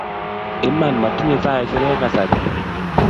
iman motinye saisiek en kasari